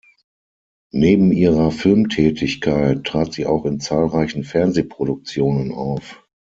Neben ihrer Filmtätigkeit trat sie auch in zahlreichen Fernsehproduktionen auf.